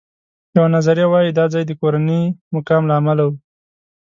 یوه نظریه وایي دا ځای د کورني مقام له امله و.